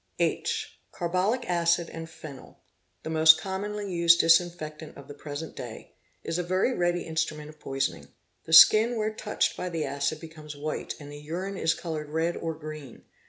(h) Carbolic acid and Phenyl, the most commonly used dis . infectant of the present day, is a very ready instrument of poisoning. The skin where touched by the acid becomes white and the urine is coloured red or green.